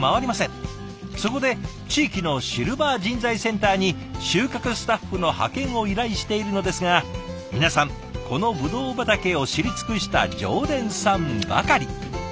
そこで地域のシルバー人材センターに収穫スタッフの派遣を依頼しているのですが皆さんこのブドウ畑を知り尽くした常連さんばかり。